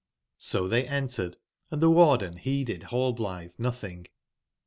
So they en tered, and the CQarden heeded Hallblithe nothing.